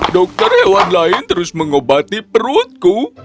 dokter hewan lain terus mengobati perutku